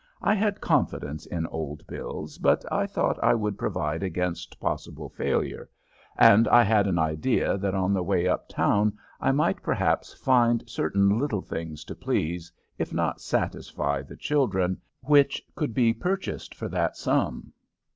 I had confidence in Old Bills, but I thought I would provide against possible failure; and I had an idea that on the way uptown I might perhaps find certain little things to please, if not satisfy, the children, which could be purchased for that sum.